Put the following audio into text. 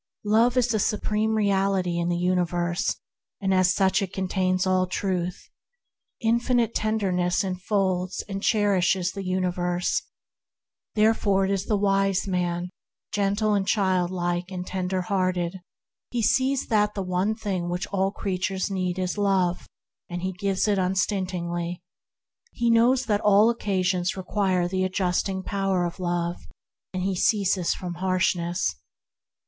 Love is the Supreme Reality in the universe, and as such it contains all Truth. Infinite Tenderness enfolds and cherishes the universe; therefore is the wise man gentle and childlike and tender hearted. He sees that the one thing all creatures need is Love, and he gives unstintingly. He knows that all occasions require the adjusting power of Love, and he ceases from harshness.